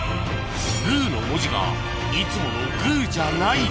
「宮」の文字がいつもの「宮」じゃない！］